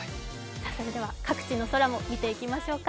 それでは各地の空も見ていきましょうか。